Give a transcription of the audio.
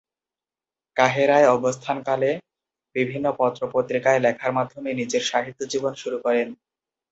কাহেরায় অবস্থান কালে বিভিন্ন পত্র-পত্রিকায় লেখার মাধ্যমে নিজের সাহিত্য জীবন শুরু করেন।